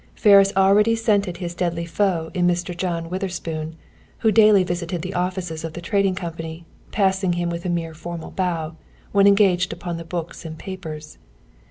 Ferris already scented his deadly foe in Mr. John Witherspoon, who daily visited the offices of the Trading Company, passing him with a mere formal bow, when engaged upon the books and papers.